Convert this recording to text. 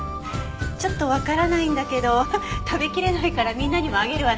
ちょっとわからないんだけど食べきれないからみんなにもあげるわね。